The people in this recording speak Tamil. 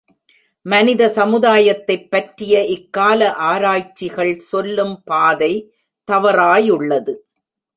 மனித சமுதாயத்தைப் பற்றிய இக் கால ஆராய்ச்சிகள் சொல்லும் பாதை தவறாயுள்ளது.